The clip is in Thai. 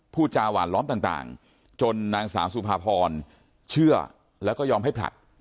พูดจาหวานล้อมต่างจนนางสาวสุภาพรเชื่อแล้วก็ยอมให้ผลัด